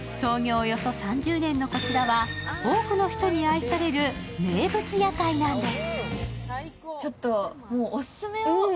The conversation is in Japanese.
およそ３０年のこちらは多くの人に愛される名物屋台なんです。